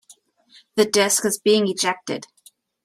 The disk is being ejected.